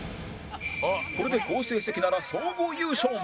これで好成績なら総合優勝も